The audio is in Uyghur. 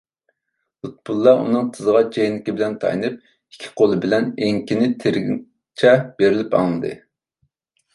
لۇتپۇللا ئۇنىڭ تىزىغا جەينىكى بىلەن تايىنىپ، ئىككى قولى بىلەن ئېڭىكىنى تىرىگىنىچە بېرىلىپ ئاڭلىدى.